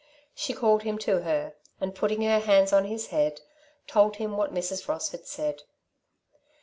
She called him to her and, putting her hands on his head, told him what Mrs. Ross had said.